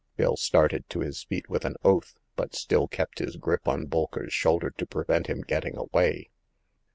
*' Bill started to his feet with an oath, but still kept his grip on Bolker*s shoulder to prevent him getting away.